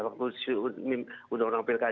waktu undang undang perikatan